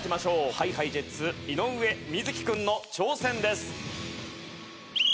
ＨｉＨｉＪｅｔｓ井上瑞稀君の挑戦です。